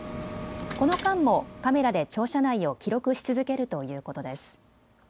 この間もカメラで庁舎内を記録し続けるということです。